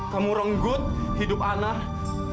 kamu renggut hidup anak